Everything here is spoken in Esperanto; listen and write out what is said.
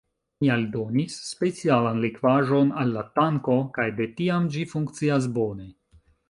Mi aldonis specialan likvaĵon al la tanko, kaj de tiam ĝi funkcias bone.